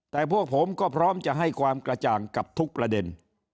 แต่พวกผมก็พร้อมจะให้ความกระจ่างกับทุกประเด็น